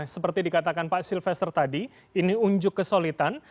seperti dikatakan pak silvester tadi ini unjuk kesolidan